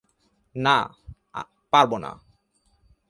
না, পারবো না।